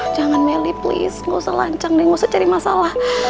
jangan nelly please gak usah lancang deh gak usah cari masalah